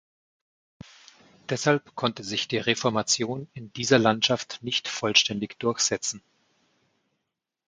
Deshalb konnte sich die Reformation in dieser Landschaft nicht vollständig durchsetzen.